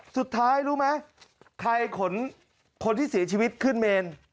สุดท้ายรู้ไหมใครขนคนที่เสียชีวิตขึ้นเมน